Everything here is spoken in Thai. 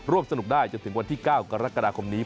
สนุกได้จนถึงวันที่๙กรกฎาคมนี้